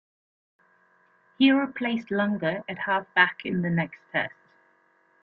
He replaced Langer at halfback in the next test.